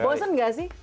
bosen gak sih